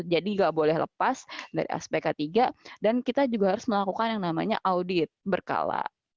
nggak boleh lepas dari aspek k tiga dan kita juga harus melakukan yang namanya audit berkala